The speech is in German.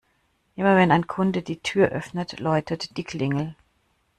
Immer, wenn ein Kunde die Tür öffnet, läutet die Klingel.